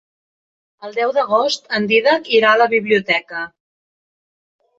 El deu d'agost en Dídac irà a la biblioteca.